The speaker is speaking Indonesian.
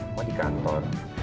oma di kantor